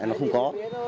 nó không có